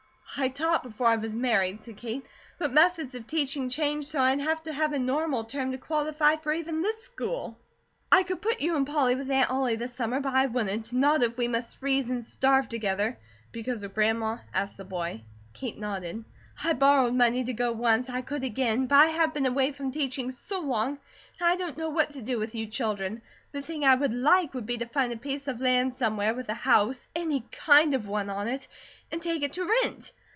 "I taught before I was married," said Kate; "but methods of teaching change so I'd have to have a Normal term to qualify for even this school. I could put you and Polly with Aunt Ollie this summer; but I wouldn't, not if we must freeze and starve together " "Because of Grandma?" asked the boy. Kate nodded. "I borrowed money to go once, and I could again; but I have been away from teaching so long, and I don't know what to do with you children. The thing I would LIKE would be to find a piece of land somewhere, with a house, any kind of one on it, and take it to rent.